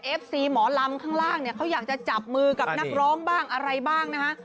ซีหมอลำข้างล่างเนี่ยเขาอยากจะจับมือกับนักร้องบ้างอะไรบ้างนะฮะ